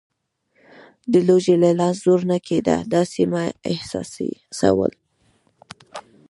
د لوږې له لاسه زور نه کېده، داسې مې احساسول.